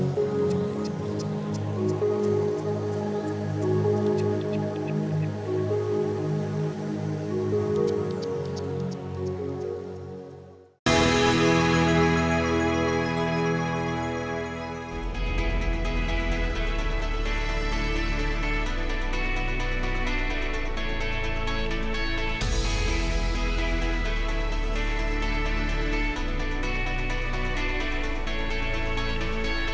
kerbau rawa pulang kekalang